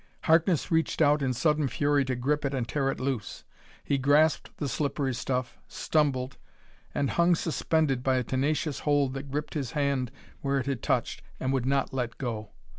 Harkness reached out in sudden fury to grip it and tear it loose. He grasped the slippery stuff, stumbled and hung suspended by a tenacious hold that gripped his hand where it had touched, and would not let go.